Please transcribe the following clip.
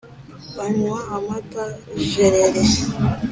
banywa amata jereri